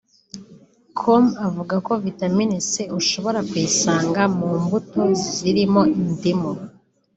com avuga ko vitamin C ushobora kuyisanga mu mbuto zirimo indimu